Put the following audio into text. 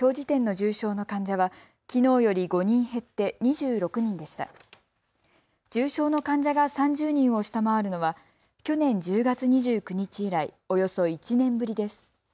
重症の患者が３０人を下回るのは去年１０月２９日以来、およそ１年ぶりです。